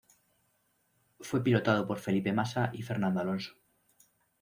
Fue pilotado por Felipe Massa y Fernando Alonso.